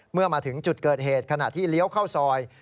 เมื่อมาถึงจุดเกิดเหตุขณะที่เลี้ยวเข้าซอย